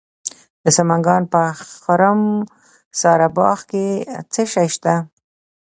د سمنګان په خرم سارباغ کې څه شی شته؟